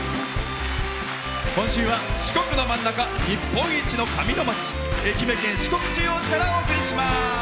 今週は四国の真ん中日本一の紙のまち愛媛県四国中央市からお送りします。